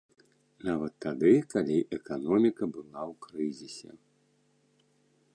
Нават тады, калі эканоміка была ў крызісе.